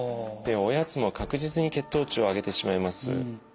でおやつも確実に血糖値を上げてしまいます。